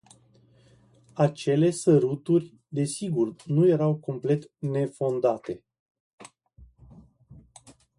Acele săruturi, desigur, nu erau complet nefondate.